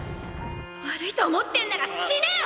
悪いと思ってんなら死ねよ！！